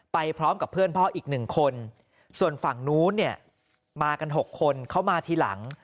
ไปพร้อมกับเพื่อนพ่ออีกหนึ่งคนส่วนฝั่งนู้นเนี่ยมากัน๖คนเข้ามาทีหลัง